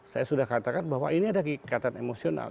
saya sudah katakan bahwa ini ada ikatan emosional